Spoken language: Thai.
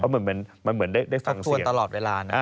มันเหมือนได้ฟังเสียง